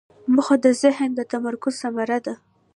موخه د ذهن د تمرکز ثمره ده.